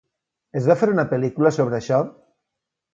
Es va fer una pel·lícula sobre això?